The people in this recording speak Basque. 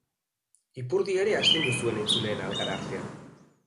Ipurdia ere astindu zuen entzuleen algara artean.